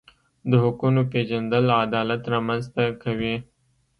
د حقونو پیژندل عدالت رامنځته کوي.